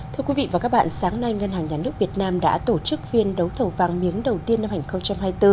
thưa quý vị và các bạn sáng nay ngân hàng nhà nước việt nam đã tổ chức phiên đấu thầu vàng miếng đầu tiên năm hai nghìn hai mươi bốn